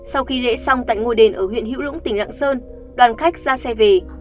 sau khi lễ xong tại ngôi đền ở huyện hữu lũng tỉnh lạng sơn đoàn khách ra xe về